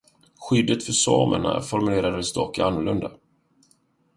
Skyddet för samerna formulerades dock annorlunda.